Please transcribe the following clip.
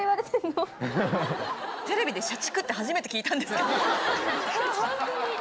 テレビで「社畜」って初めて聞いたんですけど。